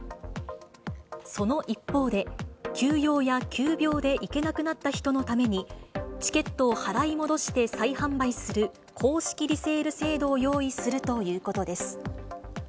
その一方で、急用や急病で行けなくなった人のために、チケットを払い戻して再販売する、公式リセール制度を用意するということです。